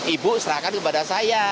ibu serahkan kepada saya